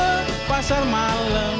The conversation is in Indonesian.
lesiran ke pasar malam